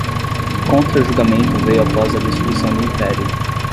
Contra-julgamento veio após a destruição do Império.